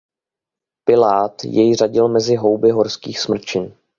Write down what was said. Pilát jej řadil mezi houby horských smrčin.